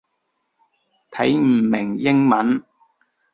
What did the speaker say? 睇唔明英文